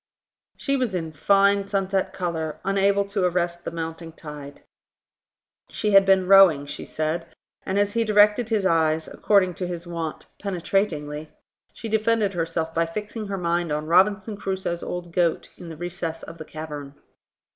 She was in fine sunset colour, unable to arrest the mounting tide. She had been rowing, she said; and, as he directed his eyes, according to his wont, penetratingly, she defended herself by fixing her mind on Robinson Crusoe's old goat in the recess of the cavern.